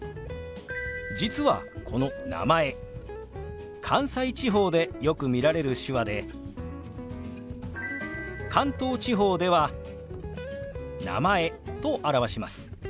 実はこの「名前」関西地方でよく見られる手話で関東地方では「名前」と表します。